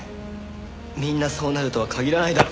みんなそうなるとは限らないだろ。